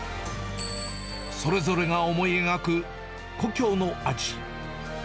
それぞれが思い描く故郷の味。